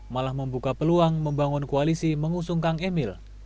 malah membuka peluang membangun koalisi mengusung kang emil